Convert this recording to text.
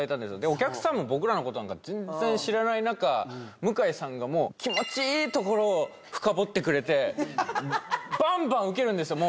お客さんも僕らのことなんか全然知らない中向井さんがもう気持ちいいところを深掘ってくれてバンバンウケるんですよ